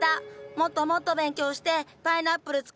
もっともっと勉強してパイナップル作る人になる！